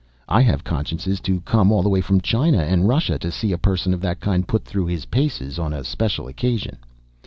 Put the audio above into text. I have consciences to come all the way from China and Russia to see a person of that kind put through his paces, on a special occasion.